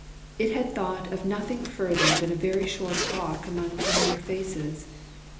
It had thought of nothing further than a very short walk among familiar faces.